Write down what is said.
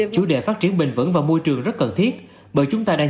chủ đề phát triển bình vững và môi trường rất cần thiết bởi chúng ta đang